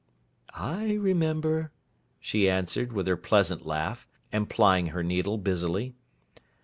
'I remember,' she answered, with her pleasant laugh, and plying her needle busily.